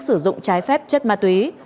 sử dụng trái phép chất ma túy